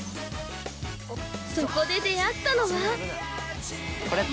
そこで出会ったのは。